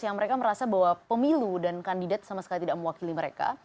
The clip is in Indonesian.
yang mereka merasa bahwa pemilu dan kandidat sama sekali tidak mewakili mereka